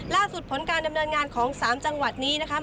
ล่าสุดผลการดำเนินงานของ๓จังหวัดนี้นะคะ